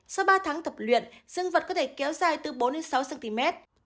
sau ba tháng tập luyện dân vật có thể kéo dài từ bốn sáu cm